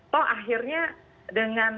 toh akhirnya dengan